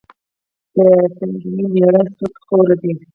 د سنګینې میړه سودخور دي.